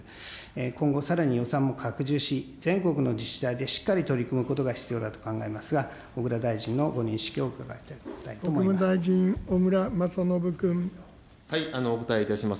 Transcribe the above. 今後さらに予算も拡充し、全国の自治体でしっかり取り組むことが必要だと考えますが、小倉大臣のご認識を伺いたいと思います。